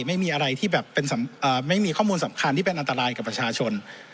ไม่มีอะไรที่แบบไม่มีข้อมูลสำคัญที่เป็นอันตรายกับประชาชน